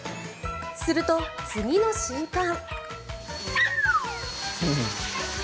すると次の瞬間。